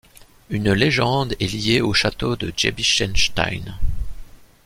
Une légende est liée au château de Giebichenstein.